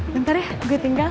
bentar ya gue tinggal